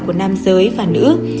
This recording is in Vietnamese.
của nam giới và nữ